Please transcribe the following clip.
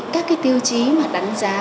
các tiêu chí đánh giá